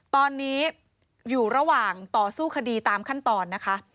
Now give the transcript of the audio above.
ตอนนี้อยู่ระหว่างต่อสู้คดีตามขั้นตอนนะคะ